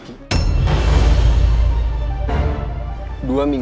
gue udah tau semua